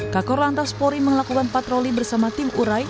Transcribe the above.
kakor lantaspori mengelakukan patroli bersama tim urai